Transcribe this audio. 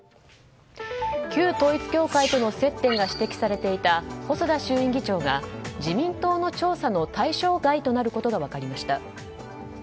旧統一教会との接点が指摘されていた細田衆院議長が自民党の調査の対象外となることが分かりました。